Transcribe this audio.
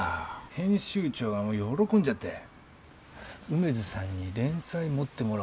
編集長がもう喜んじゃって梅津さんに連載持ってもらおうって言いだしたのよ。